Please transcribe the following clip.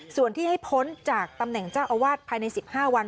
ส่วนที่ให้พ้นจากตำแหน่งเจ้าอาวาสภายใน๑๕วัน